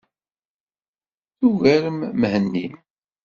Tugarem Mhenni.